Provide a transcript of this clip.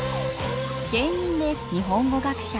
芸人で日本語学者